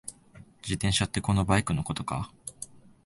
自転車ってこのバイクのことか？